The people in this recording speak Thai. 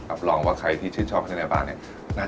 อับรองว่าใครที่ชินชอบประเทศเนเปลา